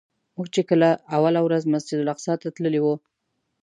موږ چې کله اوله ورځ مسجدالاقصی ته تللي وو.